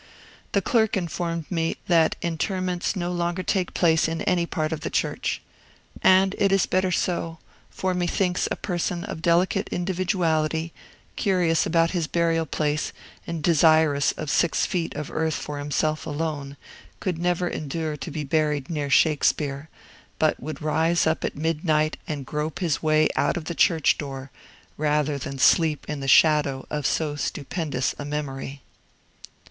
The clerk informed me that interments no longer take place in any part of the church. And it is better so; for methinks a person of delicate individuality, curious about his burial place, and desirous of six feet of earth for himself alone, could never endure to be buried near Shakespeare, but would rise up at midnight and grope his way out of the church door, rather than sleep in the shadow of so stupendous a memory.